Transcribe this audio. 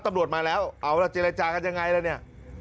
ตำรวจมาแล้วเอาล่ะเจรจากันยังไงล่ะเนี่ย